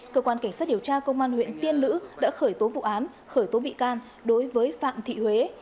cơ quan cảnh sát điều tra công an huyện tiên lữ đã khởi tố vụ án khởi tố bị can đối với phạm thị huế